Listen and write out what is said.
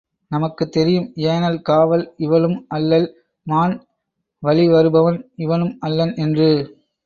நமக்குத் தெரியும் ஏனல் காவல் இவளும் அல்லள், மான் வழிவருபவன் இவனும் அல்லன் என்று.